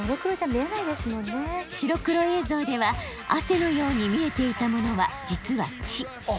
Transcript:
白黒映像では汗のように見えていたものは実は血。